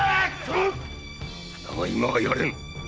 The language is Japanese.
だが今はやれぬ。